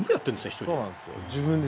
１人で。